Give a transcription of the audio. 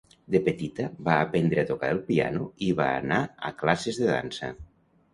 De petita va aprendre a tocar el piano i va anar a classes de dansa.